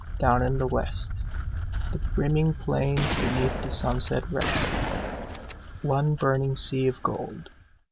Down in the west The brimming plains beneath the sunset rest, One burning sea of gold.